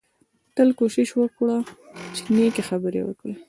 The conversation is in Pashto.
تل کوشش وکړه چې نېکې خبرې وکړې